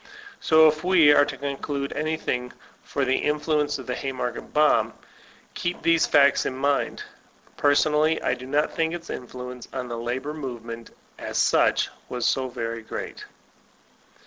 So if we are to conclude anything for the influence of the Haymarket bomb, keep these facts in mind. Personally I do not think its influence on the labor movement, as such, was so very great.